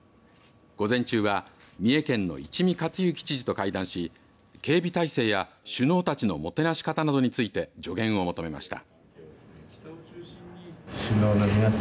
午前中は、三重県の一見勝之知事と会談し警備態勢や首脳たちのもてなし方などについて助言を求めました。